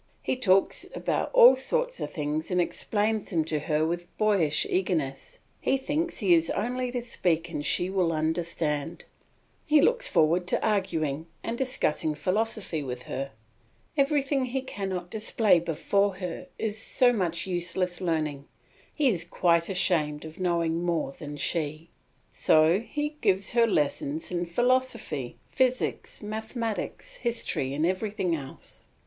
He talks about all sorts of things and explains them to her with boyish eagerness; he thinks he has only to speak and she will understand; he looks forward to arguing, and discussing philosophy with her; everything he cannot display before her is so much useless learning; he is quite ashamed of knowing more than she. So he gives her lessons in philosophy, physics, mathematics, history, and everything else.